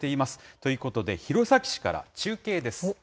ということで弘前市から中継です。